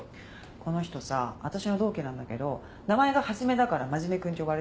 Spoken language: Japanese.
この人さ私の同期なんだけど名前が「初」だからマジメくんって呼ばれてるの。